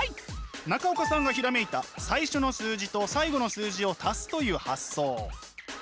中岡さんがひらめいた最初の数字と最後の数字を足すという発想。